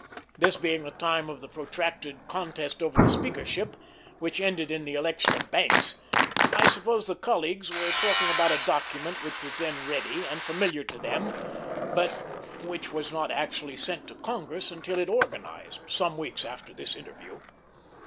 This being the time of the protracted contest over the Speakership, which ended in the election of Banks, I suppose the colleagues were talking about a document which was then ready, and familiar to them, but which was not actually sent to Congress until it organized, some weeks after this interview.